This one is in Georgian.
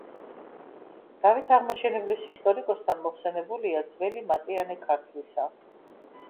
დავით აღმაშენებლის ისტორიკოსთან მოხსენიებულია „ძველი მატიანე ქართლისა“.